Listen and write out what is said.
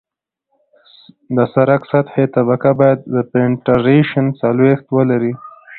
د سرک سطحي طبقه باید پینټریشن څلوېښت ولري